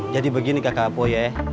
jadi begini kakak apoy ya